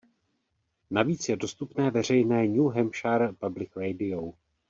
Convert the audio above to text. Navíc je dostupné veřejné "New Hampshire Public Radio".